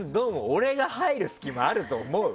俺が入る隙間あると思う？